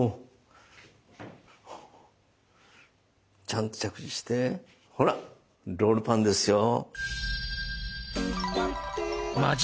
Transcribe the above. ちゃんと着地してほらロールパンですよ。